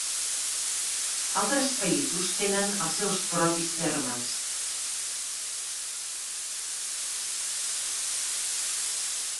Altres països tenen els seus propis termes.